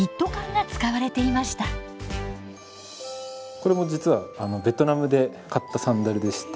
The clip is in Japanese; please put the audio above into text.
これも実はベトナムで買ったサンダルでして。